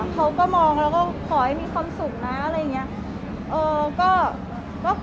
เขาก็มองแล้วก็ขอให้มีความสุขนะ